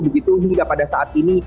begitu hingga pada saat ini